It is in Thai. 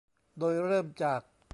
โดยเริ่มจาก